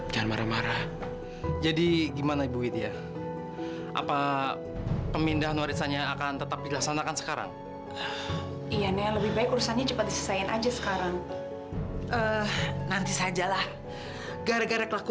sampai jumpa di video selanjutnya